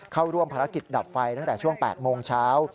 เข้าร่วมภารกิจดับไฟตั้งแต่ช่วง๘โมงเช้า